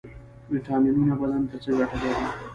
ویټامینونه بدن ته څه ګټه لري؟